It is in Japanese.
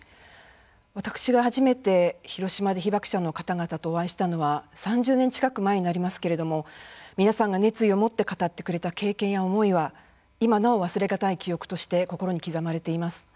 私が初めて広島で被爆者の方々とお会いしたのは３０年近く前になりますけれども皆さんが熱意を持って語ってくれた経験や思いは今なお忘れがたい記憶として心に刻まれています。